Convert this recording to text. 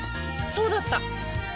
そうだった！